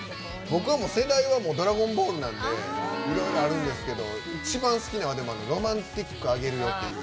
僕は世代は「ドラゴンボール」でいろいろあるんですけど一番好きなのは「ロマンティックあげるよ」。